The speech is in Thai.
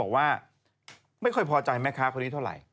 ว่าไม่ค่อยพอใจแม่ค้าคนนี้เท่าไหร่